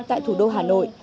tại thủ đô hà nội